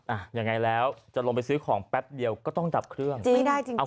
อ่ะยังไงแล้วจะลงไปซื้อของแป๊บเดียวก็ต้องดับเครื่องเอา